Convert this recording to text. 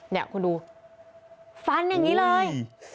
เนี่ยคุณดูฟันอย่างนี้เลย